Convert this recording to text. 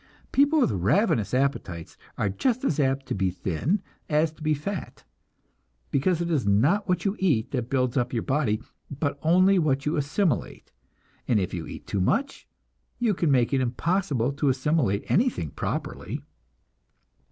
People with ravenous appetites are just as apt to be thin as to be fat, because it is not what you eat that builds up your body, but only what you assimilate, and if you eat too much, you can make it impossible to assimilate anything properly.